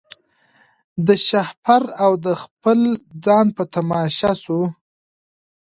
د شهپر او د خپل ځان په تماشا سو